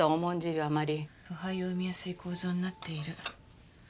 腐敗を生みやすい構造になっている。